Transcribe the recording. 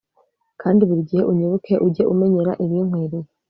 kandi buri gihe unyibuke ujye umenyera ibinkwiriye